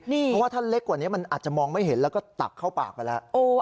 เพราะว่าถ้าเล็กกว่านี้มันอาจจะมองไม่เห็นแล้วก็ตักเข้าปากไปแล้ว